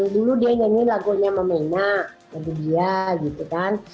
dulu dia nyanyiin lagunya mama lagu dia gitu kan